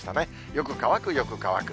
よく乾く、よく乾く。